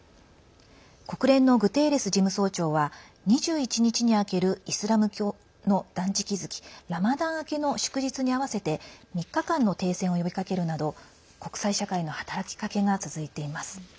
国連のグテーレス事務総長は２１日に明けるイスラム教の断食月ラマダン明けの祝日に合わせて３日間の停戦を呼びかけるなど国際社会の働きかけが続いています。